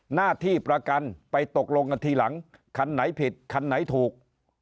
หน้าที่ประกันไปตกลงกันทีหลังคันไหนผิดคันไหนถูก